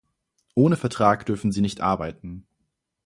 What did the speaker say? Ohne Vertrag dürfen Sie nicht arbeiten.